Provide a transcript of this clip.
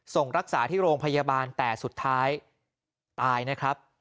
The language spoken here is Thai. ส่งรักษาที่โรงพยาบาลแต่สุดท้ายตายนะครับ